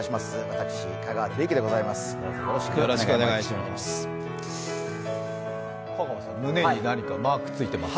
私、香川照之でございます。